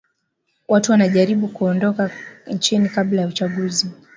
Watu wanajaribu kuondoka nchini kabla ya uchaguzi